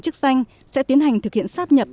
chức danh sẽ tiến hành thực hiện sắp nhập